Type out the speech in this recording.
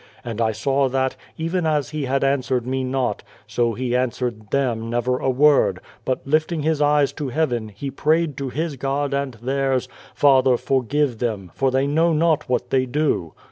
And I saw that, even as He had answered me not, so He answered them never a word, but lifting His eyes to heaven, He prayed to His God and theirs, ' Father, forgive them, for they know not what they do